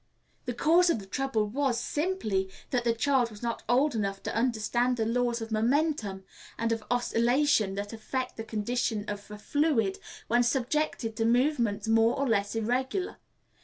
The cause of the trouble was, simply, that the child was not old enough to understand the laws of momentum and of oscillation that affect the condition of a fluid when subjected to movements more or less irregular.